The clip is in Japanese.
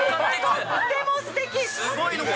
とってもすてき。